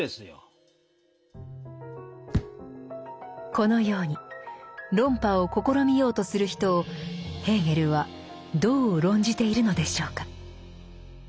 このように論破を試みようとする人をヘーゲルはどう論じているのでしょうか。